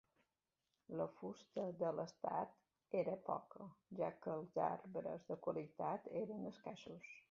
La fusta de l'estat era poca, ja que els arbres de qualitat eren escassos.